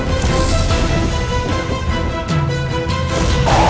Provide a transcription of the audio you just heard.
bersetuju jangan menyerang saya